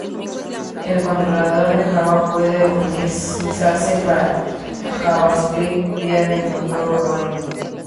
El controlador de Java puede usarse para Javascript vía el motor Rhino.